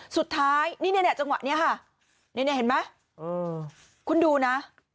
สุดท้ายนี่เนี่ยจังหวะนี้ค่ะนี่เห็นไหมคุณดูนะ